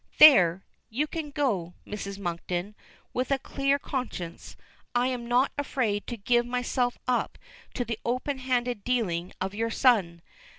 There! you can go, Mrs. Monkton, with a clear conscience. I am not afraid to give myself up to the open handed dealing of your son."